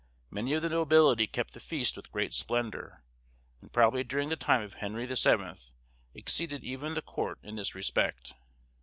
Many of the nobility kept the feast with great splendour, and probably during the time of Henry the Seventh, exceeded even the court in this respect.